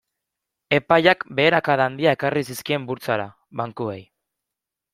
Epaiak beherakada handiak ekarri zizkien burtsara bankuei.